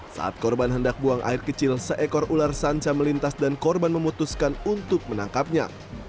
saat korban hendak buang air kecil seekor ular sanca melintas dan korban memutuskan untuk menangkapnya